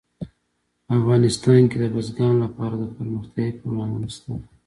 په افغانستان کې د بزګانو لپاره دپرمختیا پروګرامونه شته.